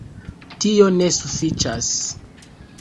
Tio ne sufiĉas.